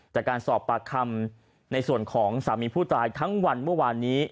จากการสอบปากคำในส่วนของสามีผู้ตายทั้งวันเมื่อวานนี้